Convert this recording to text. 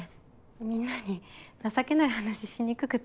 みんなに情けない話しにくくて。